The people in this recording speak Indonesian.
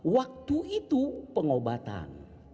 waktu itu pengobatan